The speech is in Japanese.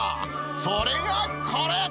それがこれ。